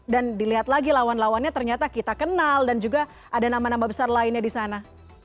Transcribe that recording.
dan dilihat lagi lawan lawannya ternyata kita kenal dan juga ada nama nama besar lainnya di sana